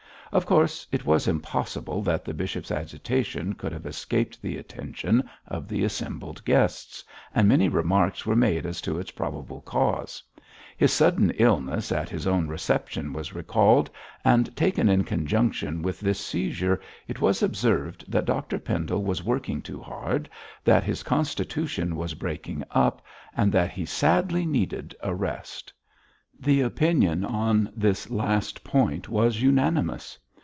Of course it was impossible that the bishop's agitation could have escaped the attention of the assembled guests, and many remarks were made as to its probable cause. His sudden illness at his own reception was recalled, and, taken in conjunction with this seizure, it was observed that Dr Pendle was working too hard, that his constitution was breaking up and that he sadly needed a rest. The opinion on this last point was unanimous.